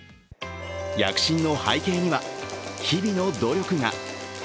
躍進の背景には、日々の努力が。